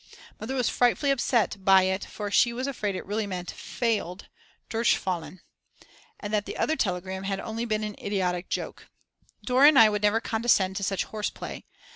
Mother was frightfully upset by it for she was afraid it really meant failed [durchgefallen], and that the other telegram had been only an idiotic joke. Dora and I would never condescend to such horseplay.